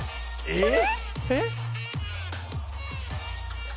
えっ？